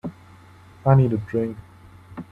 I need a drink.